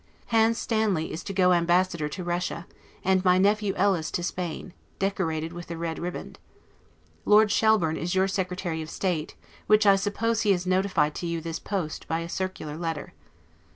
Hans Stanley is to go Ambassador to Russia; and my nephew, Ellis, to Spain, decorated with the red riband. Lord Shelburne is your Secretary of State, which I suppose he has notified to you this post, by a circular letter.